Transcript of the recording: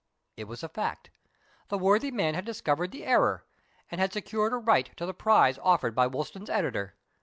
It was a fact. The worthy man had discovered the error, and had secured a right to the prize offered by Wolston's editor.